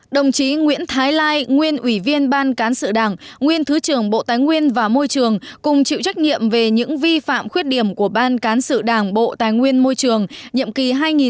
đồng chí nguyễn thái lai nguyên ủy viên ban cán sự đảng nguyên thứ trưởng bộ tài nguyên và môi trường cùng chịu trách nhiệm về những vi phạm khuyết điểm của ban cán sự đảng bộ tài nguyên môi trường nhiệm kỳ hai nghìn một mươi một hai nghìn một mươi một